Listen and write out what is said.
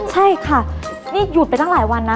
ใช่ค่ะนี่หยุดไปตั้งหลายวันนะ